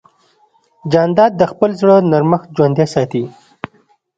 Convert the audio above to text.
جانداد د خپل زړه نرمښت ژوندی ساتي.